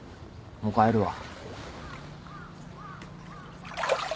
もう帰るわ。